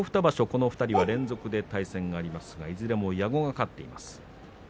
この２人は連続で対戦がありますが、いずれも矢後が勝っています。